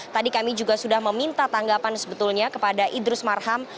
tadi kami juga sudah meminta tanggapan sebetulnya kepada idrus marham